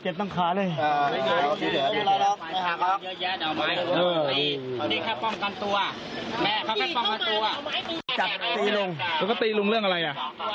โดยมันก็ตีลุงเรื่องอะไรน่ะ